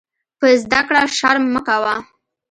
په زده کړه شرم مه کوۀ.